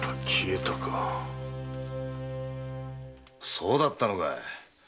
そうだったのかい。